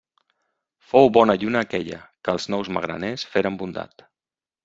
Fou bona lluna aquella, que els nous magraners feren bondat.